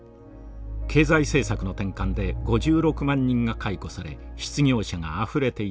経済政策の転換で５６万人が解雇され失業者があふれていた年でした。